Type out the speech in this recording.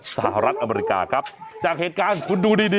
ใช้เมียได้ตลอด